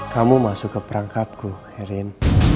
kamu masuk ke perangkatku erin